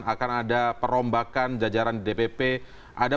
akan ada perombakan jajaran dpp ada